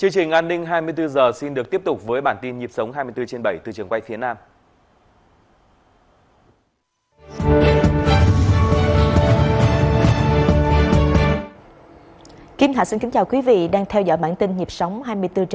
kính khả sĩ kính chào quý vị đang theo dõi bản tin nhịp sóng hai mươi bốn h bảy